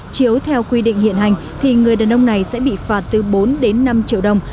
chiếu theo quy định hiện hành thì người đàn ông này sẽ bị phạt từ bốn đến năm triệu đồng